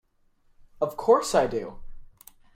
Of course I do!